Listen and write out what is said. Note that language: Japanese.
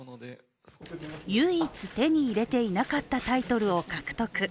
唯一、手に入れていなかったタイトルを獲得。